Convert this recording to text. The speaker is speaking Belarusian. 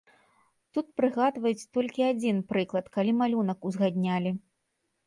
Тут прыгадваюць толькі адзін прыклад, калі малюнак узгаднялі.